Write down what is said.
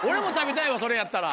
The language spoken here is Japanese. それやったら。